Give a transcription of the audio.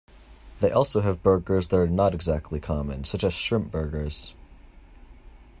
They also have burgers that are not exactly common, such as Shrimp Burgers.